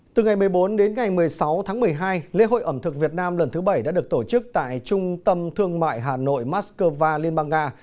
từ ngày một mươi bốn đến ngày một mươi sáu tháng một mươi hai lễ hội ẩm thực việt nam lần thứ bảy đã được tổ chức tại trung tâm thương mại hà nội moscow liên bang nga